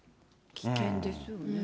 危険ですよね。